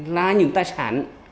là những tài sản